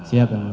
siap ya mulia